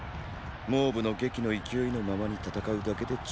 蒙武の檄の勢いのままに戦うだけで十分。